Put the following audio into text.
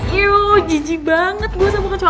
yoww jijik banget gue sama kecoa